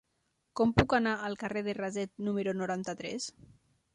Com puc anar al carrer de Raset número noranta-tres?